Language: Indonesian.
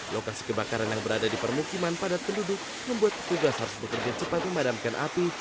lokasi kebakaran yang berada di permukiman padat penduduk membuat tugas harus bekerja cepat memadamkan api